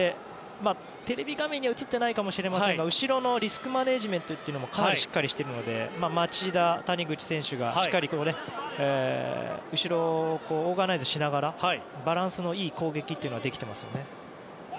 テレビ画面には映っていないかもしれませんが後ろのリスクマネジメントもしっかりしていますので町田、谷口選手がしっかり後ろをオーガナイズしながらバランスのいい攻撃というのができていますよね。